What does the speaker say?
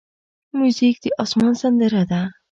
موزیک د آسمان سندره ده.